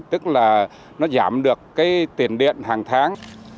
tức là nó giảm được tiền điện hàng tháng